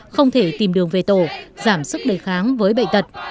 không thể tìm đường về tổ giảm sức đề kháng với bệnh tật